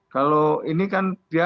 kalau ini kan